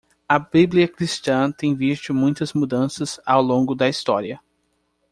A bíblia cristã tem visto muitas mudanças ao longo da história.